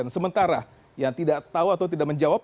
sementara yang tidak tahu atau tidak menjawab